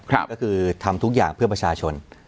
ก็คือทำทุกอย่างเพื่อประชาชน